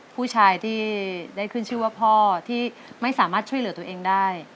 ผู้ชายที่ได้ขึ้นชื่อว่าพ่อที่ไม่สามารถช่วยเหลือตัวเองได้